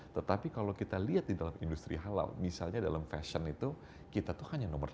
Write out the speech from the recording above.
tetapi kalau kita lihat di dalam industri halal misalnya dalam fashion itu kita tuh hanya nomor satu